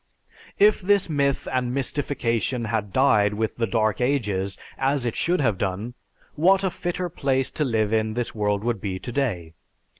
If this myth and mystification had died with the dead ages, as it should have done, what a fitter place to live in this world would be today!